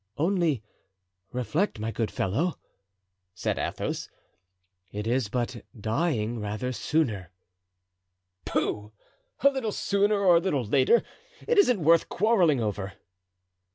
"Only reflect, my good fellow," said Athos, "it is but dying rather sooner." "Pooh! a little sooner or a little later, it isn't worth quarreling over."